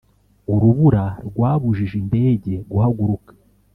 urubura rwabujije indege guhaguruka.